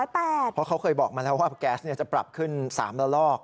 เพราะเขาเคยบอกมาแล้วว่าแก๊สจะปรับขึ้น๓ละลอก